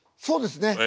そうですね。